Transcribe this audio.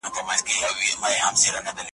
نه به څوک وي چي په موږ پسي ځان خوار کي .